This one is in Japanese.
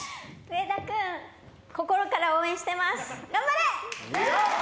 上田君、心から応援してます頑張れ！